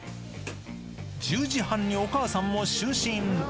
１０時半にお母さんも就寝。